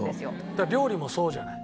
だから料理もそうじゃない。